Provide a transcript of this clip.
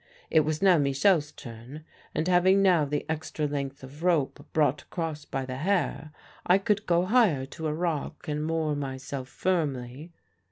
It was now Michel's turn, and having now the extra length of rope brought across by the Herr, I could go higher to a rock and moor myself firmly.